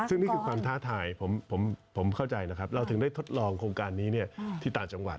ซึ่งนี่คือความท้าทายผมเข้าใจนะครับเราถึงได้ทดลองโครงการนี้ที่ต่างจังหวัด